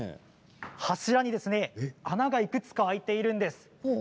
柱に穴がいくつか開いているんです。